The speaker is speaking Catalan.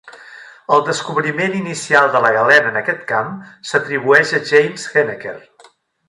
El descobriment inicial de la galena en aquest camp s'atribueix a James Heneker.